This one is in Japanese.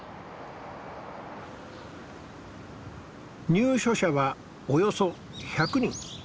入所者はおよそ１００人。